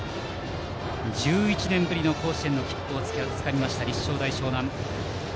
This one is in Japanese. １１年ぶりの甲子園の切符をつかんだ立正大淞南。